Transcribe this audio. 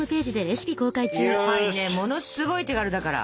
これねものすごい手軽だから。